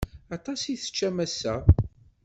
Aṭas i teččam ass-a.